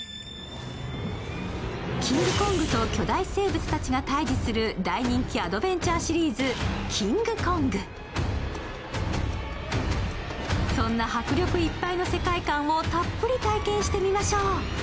キングコングと巨大生物たちが対峙する大人気アドベンチャーシリーズ「キングコング」そんな迫力いっぱいの世界観をたっぷり体験してみましょう。